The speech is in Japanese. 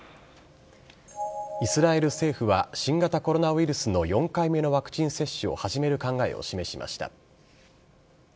イスラエル政府は新型コロナウイルスの４回目のワクチン接種を始める考えを示しました。